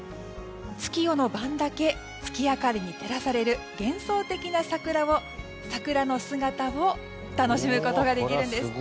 月夜の晩だけ月明かりに照らされる幻想的な桜の姿を楽しむことができるんです。